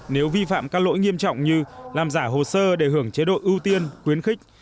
nếu vi phạm các lỗi nghiêm trọng như làm giả hồ sơ để hưởng chế độ ưu tiên khuyến khích